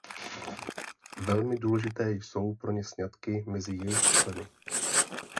Velmi důležité jsou pro ně sňatky mezi jejich členy.